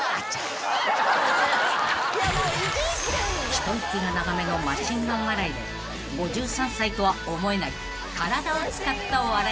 ［一息が長めのマシンガン笑いで５３歳とは思えない体を使った笑い方］